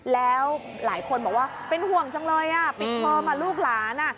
แล้วหลายคนบอกว่าเป็นห่วงจังเลยปิดเทอมลูกหลาน